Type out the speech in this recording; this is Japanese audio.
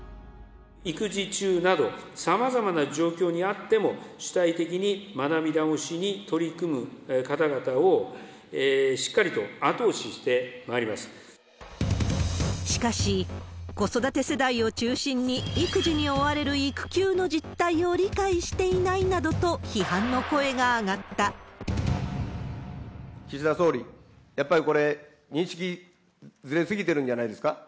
育児中など、さまざまな状況にあっても、主体的に学び直しに取り組む方々を、しかし、子育て世代を中心に育児に追われる育休の実態を理解していないな岸田総理、やっぱりこれ、認識ずれ過ぎてるんじゃないですか？